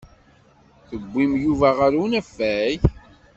Tewwim Yuba ɣer unafag?